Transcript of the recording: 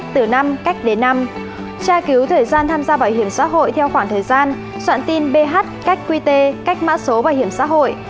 tra cứu thời gian tham gia bảo hiểm xã hội theo khoảng thời gian soạn tin bh cách quy tê cách mã số bảo hiểm xã hội